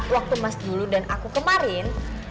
waktu mas dulu dan aku kemarin